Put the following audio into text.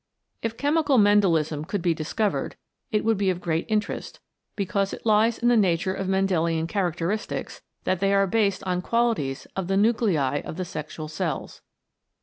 If chemical Mendelism could be discovered, it would be of great interest, because it lies in the nature of Mendelian char acteristics that they are based on qualities of the nuclei of the sexual cells.